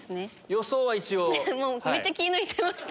予想は一応。